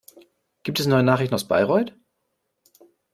Gibt es neue Nachrichten aus Bayreuth?